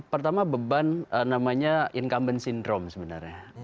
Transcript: pertama beban namanya incumbent syndrome sebenarnya